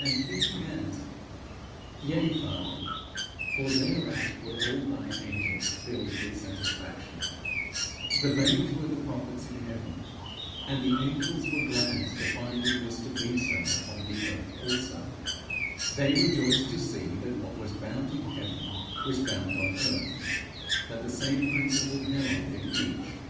and think he meant, 'Yea, Father, for thereat were all thy angels filled with satisfaction,' The babes were the prophets in heaven, and the angels were glad to find it was to be so upon the earth also; they rejoiced to see that what was bound in heaven, was bound on earth; that the same principle held in each.